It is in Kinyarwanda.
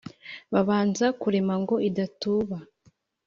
babanza kurema ngo idatuba.